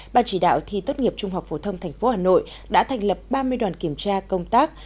bà chỉ đạo thi tốt nghiệp trung học phổ thông thành phố hà nội đã thành lập ba mươi đoàn kiểm tra công tác